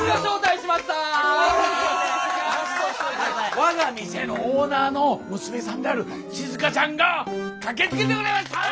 我が店のオーナーの娘さんであるしずかちゃんが駆けつけてくれました！よ！